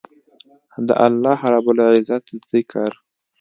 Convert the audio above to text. د الله رب العزت ذکر